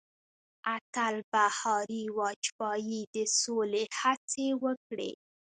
اتل بهاري واجپايي د سولې هڅې وکړې.